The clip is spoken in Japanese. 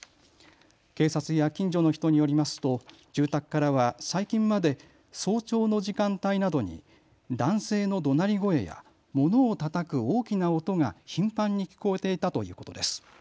警察や近所の人によりますと住宅からは最近まで早朝の時間帯などに男性のどなり声やものをたたく大きな音が頻繁に聞こえていたということです。